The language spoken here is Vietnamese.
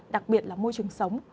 đặc biệt là môi trường sống